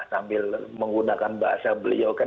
sambil menggunakan bahasa beliau kan